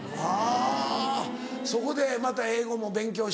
はぁそこでまた英語も勉強しながら。